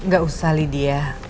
gak usah lydia